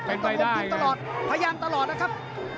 พยายามตลอดนะครับ